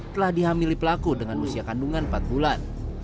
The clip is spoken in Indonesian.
telah dihamili pelaku dengan usia kandungan empat bulan